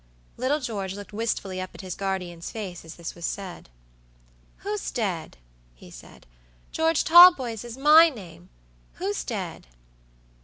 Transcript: Little George looked wistfully up at his guardian's face as this was said. "Who's dead?" he said. "George Talboys is my name. Who's dead?"